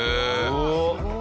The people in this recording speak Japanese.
すごい。